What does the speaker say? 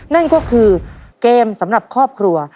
นั่นก็คือเกมสำหรับครอบครัว